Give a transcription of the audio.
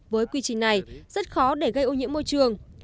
với quy trình này rất khó để gây ô nhiễm môi trường